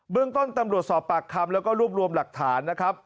เรื่องต้นตำรวจสอบปากคำแล้วก็รวบรวมหลักฐานนะครับ